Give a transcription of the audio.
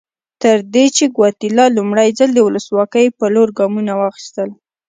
تر دې چې ګواتیلا لومړی ځل د ولسواکۍ په لور ګامونه واخیستل.